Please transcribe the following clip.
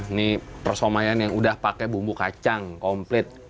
ini persomaian yang udah pakai bumbu kacang komplit